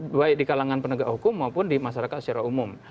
baik di kalangan penegak hukum maupun di masyarakat secara umum